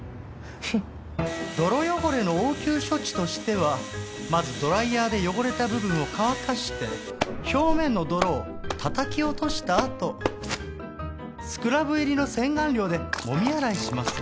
泥汚れの応急処置としてはまずドライヤーで汚れた部分を乾かして表面の泥をたたき落としたあとスクラブ入りの洗顔料でもみ洗いします。